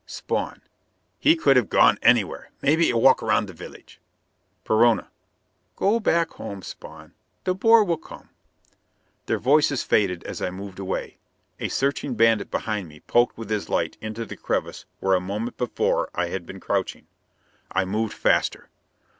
Spawn: "He could have gone anywhere. Maybe a walk around the village." Perona: "Go back home, Spawn. De Boer will come " Their voices faded as I moved away. A searching bandit behind me poked with his light into the crevice where a moment before I had been crouching. I moved faster.